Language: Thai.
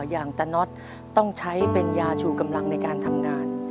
อย่างตะน็อตต้องใช้เป็นยาชูกำลังในการทำงาน